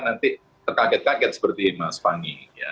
nanti terkaget kaget seperti mas fani